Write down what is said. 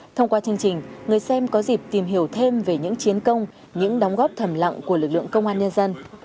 thông qua chương trình người xem có dịp tìm hiểu thêm về những chiến công những đóng góp thầm lặng của lực lượng công an nhân dân